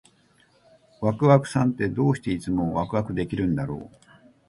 ワクワクさんって、どうしていつもワクワクできるんだろう？